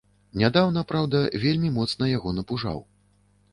Нядаўна, праўда, вельмі моцна яго напужаў.